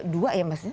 dua ya mas